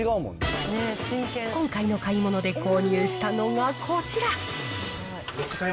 今回の買い物で購入したのがこちら。